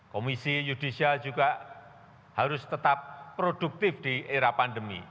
komisi yudisial juga harus tetap produktif di era pandemi